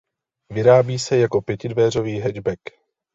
Vyrábí se jako pětidveřový hatchback.